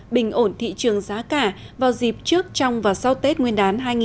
bình ổn thị trường giá cả vào dịp trước trong và sau tết nguyên đán hai nghìn hai mươi